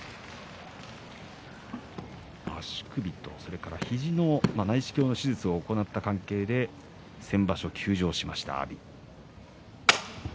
足首とそれから肘の内視鏡の手術を行った関係で先場所、休場しました阿炎。